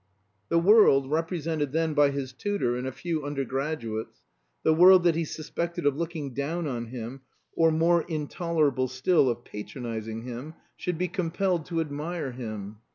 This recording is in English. The world (represented then by his tutor and a few undergraduates), the world that he suspected of looking down on him, or more intolerable still, of patronizing him, should be compelled to admire him.